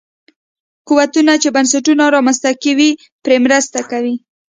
قوتونه چې بنسټونه رامنځته کوي پرې مرسته کوي.